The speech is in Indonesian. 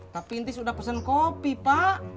tapi atutis udah pesen kopi pak